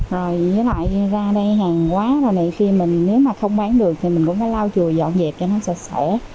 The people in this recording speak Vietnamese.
rồi với lại ra đây hàng quá rồi này khi mình nếu mà không bán được thì mình vẫn phải lau chùi dọn dẹp cho nó sạch sẽ